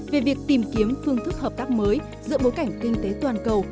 về việc tìm kiếm phương thức hợp tác mới giữa bối cảnh kinh tế toàn cầu